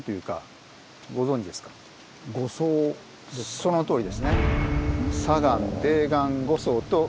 そのとおりですね。